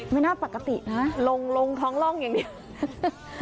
ไม่น่าปกตินะลงลงท้องร่องอย่างเดียว